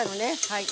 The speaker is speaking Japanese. はい。